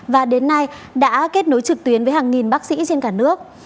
và đến nay đã kết nối trực tuyến với hàng nghìn bác sĩ trên cả nước